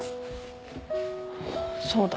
そうだ。